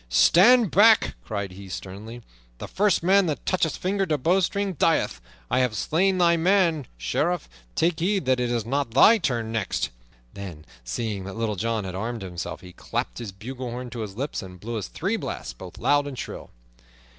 "Stand back!" cried he sternly. "The first man that toucheth finger to bowstring dieth! I have slain thy man, Sheriff; take heed that it is not thy turn next." Then, seeing that Little John had armed himself, he clapped his bugle horn to his lips and blew three blasts both loud and shrill.